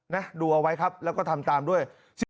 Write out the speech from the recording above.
นะดูเอาไว้ครับแล้วก็ทำตามด้วย